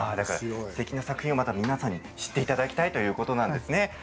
すてきな作品を皆さんに知っていただきたいということですね。